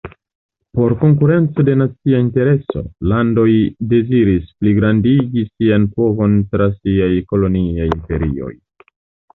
Por konkurenco de nacia intereso, landoj deziris pligrandigi sian povon tra siaj koloniaj imperioj.